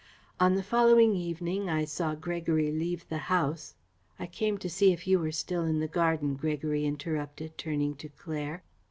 On the following evening I saw Gregory leave the house " "I came to see if you were still in the garden," Gregory interrupted, turning to Claire.